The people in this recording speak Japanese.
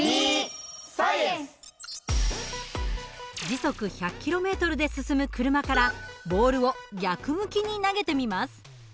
時速１００ｋｍで進む車からボールを逆向きに投げてみます。